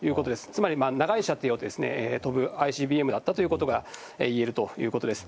つまり長い射程を飛ぶＩＣＢＭだったということがいえるということです。